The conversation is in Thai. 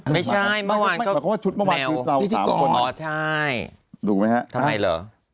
ไม่ใช่เมื่อวานก็แนวพี่ที่ก่อนถูกมั้ยครับทำไมเหรอ